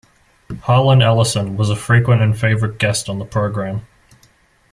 Harlan Ellison was a frequent and favorite guest on the program.